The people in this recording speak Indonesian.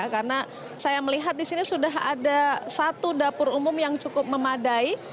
karena saya melihat di sini sudah ada satu dapur umum yang cukup memadai